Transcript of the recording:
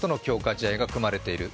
試合が組まれている。